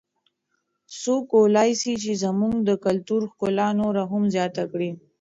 څوک کولای سي چې زموږ د کلتور ښکلا نوره هم زیاته کړي؟